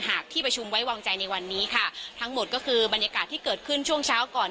หากที่ประชุมไว้วางใจในวันนี้ค่ะทั้งหมดก็คือบรรยากาศที่เกิดขึ้นช่วงเช้าก่อน